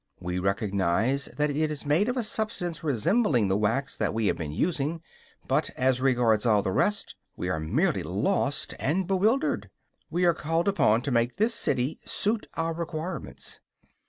We recognize that it is made of a substance resembling the wax that we have been using; but, as regards all the rest, we are merely lost and bewildered. We are called upon to make this city suit our requirements.